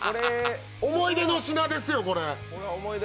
思い出の品ですよ、これ。